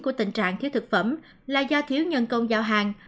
của tình trạng thiếu thực phẩm là do thiếu nhân công giao hàng